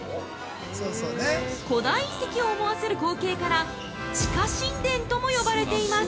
古代遺跡を思わせる光景から地下神殿とも呼ばれています。